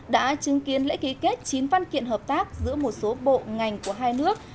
đã chứng kiến lễ ký kết chín văn kiện hợp tác giữa một số bộ ngành của hai nước